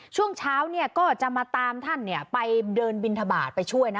ช่วงเช้าเนี่ยก็จะมาตามท่านไปเดินบินทบาทไปช่วยนะ